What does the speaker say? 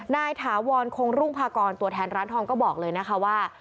ถาวรคงรุ่งพากรตัวแทนร้านทองก็บอกเลยนะคะว่า